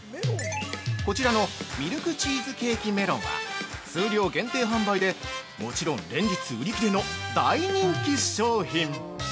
こちらの「ミルクチーズケーキメロン」は数量限定販売で、もちろん連日売り切れの大人気商品！